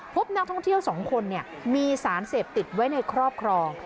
พบนักท่องเที่ยว๒คนมีสารเสพติดไว้ในครอบครอง